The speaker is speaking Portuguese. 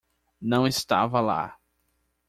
Não estava lá.